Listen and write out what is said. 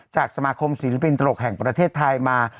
จากสมาคมศิลปินตลกแห่งประเทศไทยมา